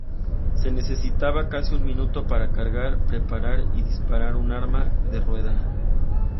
Se necesitaba casi un minuto para cargar, preparar y disparar un arma de rueda.